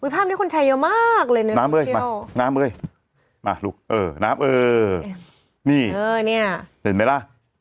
ภาพนี้คนชัยเยอะมากเลยน้ำเบ้ยน้ำเบ้ยน้ำเบ้ยน้ำเบ้ยนี่เห็นไหมล่ะ